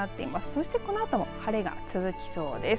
そしてこのあとも晴れが続きそうです。